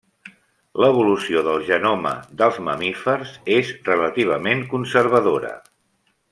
L'evolució del genoma dels mamífers és relativament conservadora.